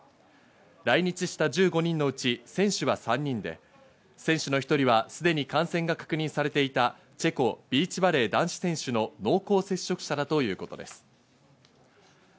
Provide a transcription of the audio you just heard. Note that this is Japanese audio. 来日した１５人のうち選手は３人で、２人はすでに感染が確認されていたチェコ・ビーチバレー男子選手の濃厚接触者だということです。